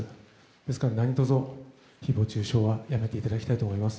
ですから、何卒誹謗中傷はやめていただきたいと思います。